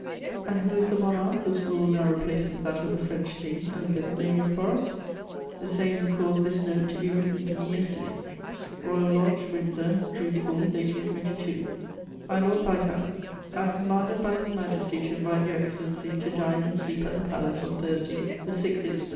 And who is the monarch whose rule now replaces that of the French King over the Canadian forests ? The same who caused this note to be written to me yesterday :—*' Bojal Lodge, Windsor, June 4, 1822. " My Lobd Viscount, —'* 1 am commanded by his Majesty to invite your £zcell»icy to dine and sleep at the palace on Thursday, the 6th inst.